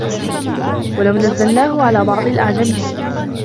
وَلَو نَزَّلناهُ عَلى بَعضِ الأَعجَمينَ